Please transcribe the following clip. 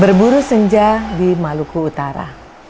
berburu senja di maluku utara